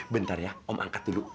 bentar ya om angkat dulu